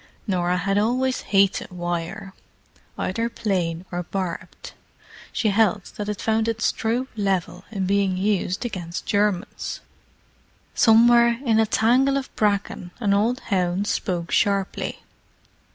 Norah had always hated wire, either plain or barbed. She held that it found its true level in being used against Germans. Somewhere in a tangle of bracken an old hound spoke sharply.